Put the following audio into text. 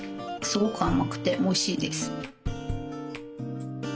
すごく甘くておいしいです。